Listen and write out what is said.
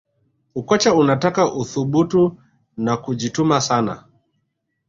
ukocha unataka uthubutu na kujituma sana